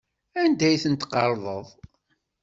Anda ay ten-tqerḍeḍ?